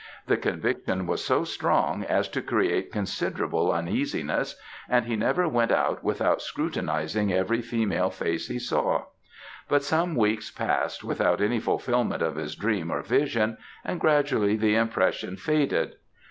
The conviction was so strong as to create considerable uneasiness, and he never went out without scrutinizing every female face he saw; but some weeks past without any fulfilment of his dream or vision, and gradually the impression faded.